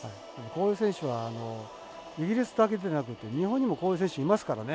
こういう選手はイギリスだけでなくて日本にもこういう選手いますからね。